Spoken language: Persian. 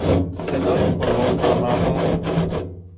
صدای کلفت و مردانه